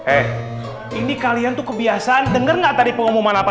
eh ini kalian tuh kebiasaan denger gak tadi pengumuman apa